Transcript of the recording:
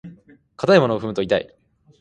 硬いものを踏むと痛い。